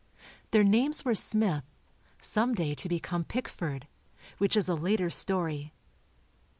Their names were Smith, some day to become Pickford, which is a later story.